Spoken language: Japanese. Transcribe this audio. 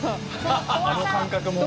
あの感覚も。